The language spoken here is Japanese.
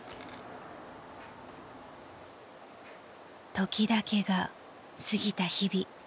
［時だけが過ぎた日々］